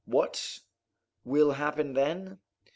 What will happen, then?